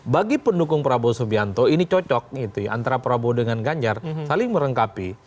bagi pendukung prabowo subianto ini cocok antara prabowo dengan ganjar saling merengkapi